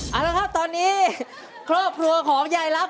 เอาละครับตอนนี้ครอบครัวของยายลักษ